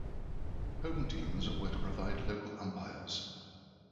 Home teams were to provide local umpires.